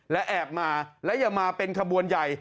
และแอบมาและอย่ามาเป็นขบวนใหญ่